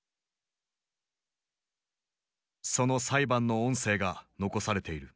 その裁判の音声が残されている。